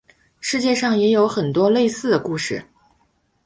世界上也有很多类似的故事。